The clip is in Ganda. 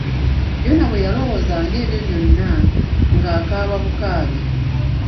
Yona bwe yalowoozanga ebyo byonna, ng'akaaba bukaabi.